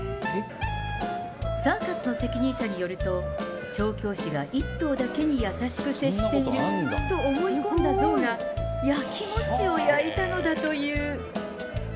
サーカスの責任者によると、調教師が一頭だけに優しく接していると思い込んだゾウが、焼きもちを焼いたのだという。